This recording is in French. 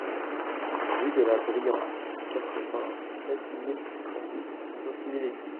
Rue de la Briance, quatre-vingt-sept mille cent dix Bosmie-l'Aiguille